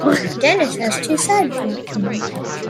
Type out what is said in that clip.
Dennis has two side platforms.